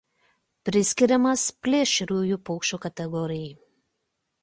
Priskiriamas plėšriųjų paukščių kategorijai.